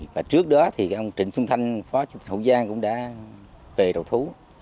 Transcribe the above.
và trước đó thì ông trịnh xuân thanh phó chính trị hậu giang cũng đã về đầu thú